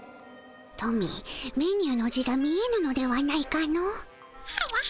トミーメニューの字が見えぬのではないかの？はわはわ。